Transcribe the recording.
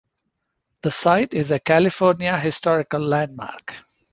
The site is a California Historical Landmark.